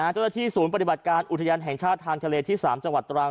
เจ้าหน้าที่ศูนย์ปฏิบัติการอุทยานแห่งชาติทางทะเลที่๓จังหวัดตรัง